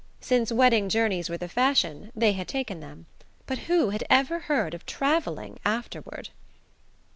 Since wedding journeys were the fashion, they had taken them; but who had ever heard of travelling afterward?